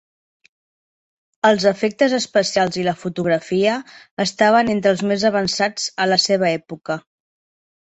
Els efectes especials i la fotografia estaven entre els més avançats a la seva època.